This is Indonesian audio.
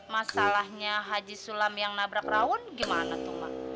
masalahnya haji sulam yang nabrak rawun gimana tuh mak